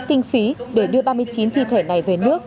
kinh phí để đưa ba mươi chín thi thể này về nước